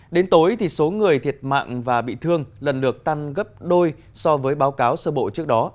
đến tối số người thiệt mạng và bị thương lần lượt tăng gấp đôi so với báo cáo sơ bộ trước đó